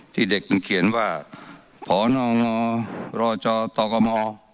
ที่เด็กเขียนว่าผอน้องรอจอตกมอ